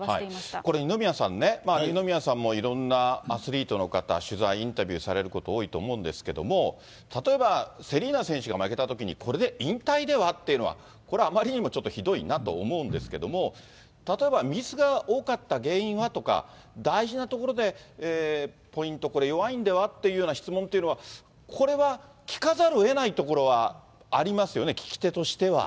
これ、二宮さんね、二宮さんもいろんなアスリートの方、取材、インタビューされること、多いと思うんですけれども、例えば、セリーナ選手が負けたときにこれで引退では？というのは、これはあまりにもひどいなと思うんですけれども、例えばミスが多かった原因は？とか、大事なところでポイント、これ弱いんでは？という質問っていうのは、これは聞かざるをえないところはありますよね、聞き手としては。